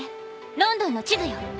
ロンドンの地図よ。